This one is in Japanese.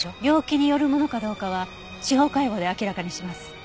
病気によるものかどうかは司法解剖で明らかにします。